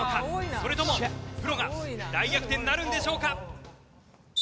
それともプロが大逆転なるんでしょうか？